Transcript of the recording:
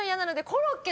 「コロッケ」